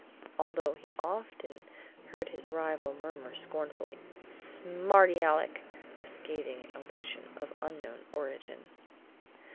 although he often heard his rival murmur scornfully, "SMARTY ALECK!" a scathing allusion of unknown origin.